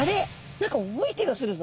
何か重い気がするぞ。